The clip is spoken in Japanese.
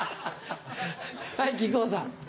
はい木久扇さん。